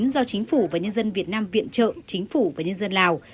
do chính phủ và nhân dân việt nam viện trợ chính phủ và nhân dân lào